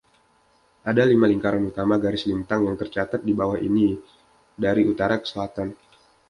Ada lima lingkaran utama garis lintang, yang tercatat di bawah ini dari utara ke selatan.